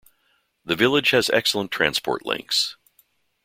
The village has excellent transport links.